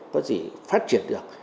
có gì phát triển được